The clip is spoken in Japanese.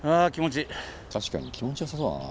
確かに気持ちよさそうだな。